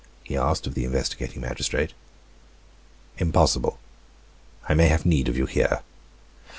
he asked of the investigating magistrate. "Impossible, I may have need of you here."